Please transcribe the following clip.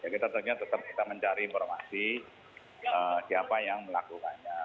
kita tetap mencari informasi siapa yang melakukannya